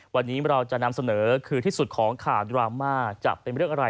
วันนี้เราจะนำเสนอคือที่สุดของข่าวดราม่าจะเป็นเรื่องอะไร